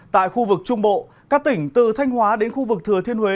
tại khu vực trung bộ các tỉnh từ thanh hóa đến khu vực thừa thiên huế